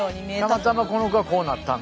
たまたまこの子はこうなったんだ。